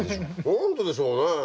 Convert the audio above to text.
何ででしょうね。